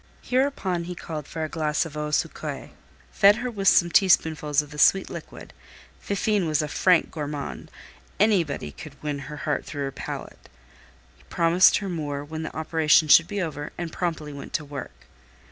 Hereupon he called for a glass of eau sucrée, fed her with some teaspoonfuls of the sweet liquid (Fifine was a frank gourmande; anybody could win her heart through her palate), promised her more when the operation should be over, and promptly went to work.